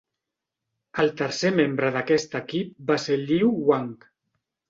El tercer membre d'aquest equip va ser Liu Wang.